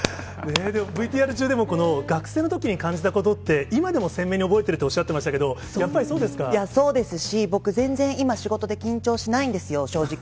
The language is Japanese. でも、ＶＴＲ中でも、この学生のときに感じたことって、今でも鮮明に覚えてるっておっしゃってましたけど、やっぱりそうそうですし、僕、全然今、仕事で緊張しないんですよ、正直。